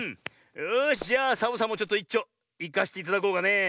よしじゃあサボさんもちょっといっちょいかせていただこうかねえ。